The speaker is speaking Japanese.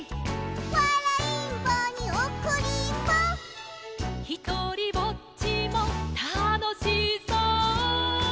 「わらいんぼにおこりんぼ」「ひとりぼっちもたのしそう」